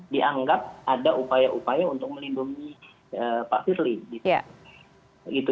dianggap ada upaya upaya untuk melindungi pak firly